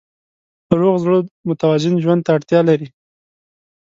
روغ زړه متوازن ژوند ته اړتیا لري.